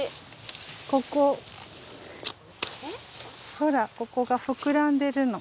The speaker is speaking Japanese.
ほらここが膨らんでるの。